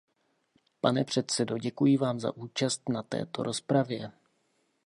Pane předsedo, děkuji vám za účast na této rozpravě.